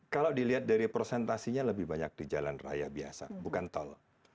kalau dilihat dari prosentasinya lebih banyak di jalan raya biasa bukan tol